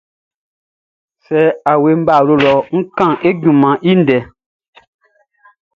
Sɛ n wieʼn ń bá ɔ awlo lɔ ń kán e junmanʼn i ndɛ.